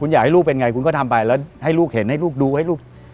อยากให้ลูกเป็นไงคุณก็ทำไปแล้วให้ลูกเห็นให้ลูกดูให้ลูก